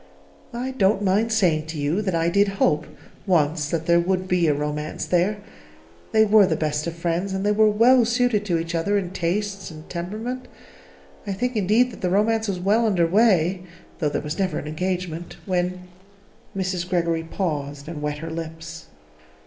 "I don't mind saying to you that I did hope, once, that there would be a romance there. They were the best of friends, and they were well suited to each other in tastes and temperament. I think, indeed, that the romance was well under way (though there was never an engagement) when " Mrs. Greggory paused and wet her lips.